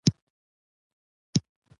خو لاس مې يې ښکل نه کړ.